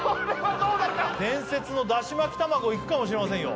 伝説のだし巻き卵いくかもしれませんよ。